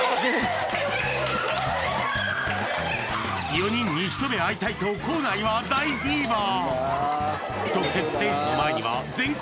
４人に一目会いたいと校内は大フィーバー。